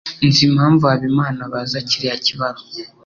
Nzi impamvu Habimana abaza kiriya kibazo.